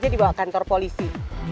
nanti dibawa kantor polisi